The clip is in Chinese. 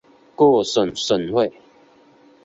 各省省会。